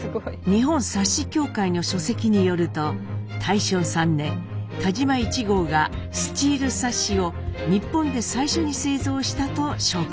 日本サッシ協会の書籍によると大正３年田嶋壹号がスチールサッシを日本で最初に製造したと紹介されています。